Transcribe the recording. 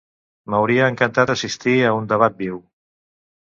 M'hauria encantat assistir a un debat viu.